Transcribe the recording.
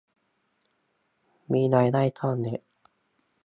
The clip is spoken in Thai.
มีรายได้ก้อนเล็ก